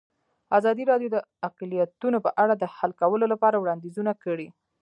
ازادي راډیو د اقلیتونه په اړه د حل کولو لپاره وړاندیزونه کړي.